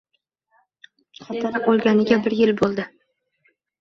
Xotini o'lganiga bir yil bo'ldi.